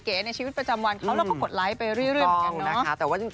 เป็นมีใครเค้าก็กดไลค์ไปเรื่อย